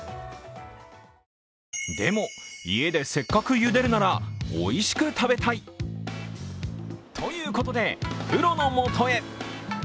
でも、家でせっかくゆでるならおいしく食べたい！ということで、プロのもとへ。